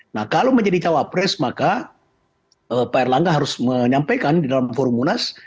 nah kalau menjadi cawapres maka pak erlangga harus menyampaikan di dalam forum munas